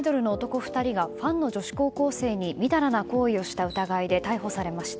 ２人がファンの女子高校生にみだらな行為をした疑いで逮捕されました。